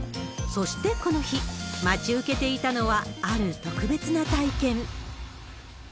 そしてこの日、待ち受けていたのは、ある特別な体験。